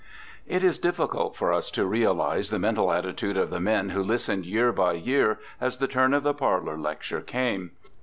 It is difficult for us to realize the mental attitude of the men who listened year by year as the turn of the ' Parlour Lecture' came.